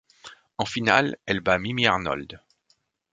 En finale, elle bat Mimi Arnold.